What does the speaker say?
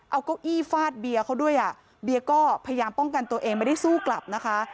เอาเก้าอี้ฟาดเบียร์เขาด้วยอ่ะเบียก็พยายามป้องกันตัวเองไม่ได้สู้กลับนะคะ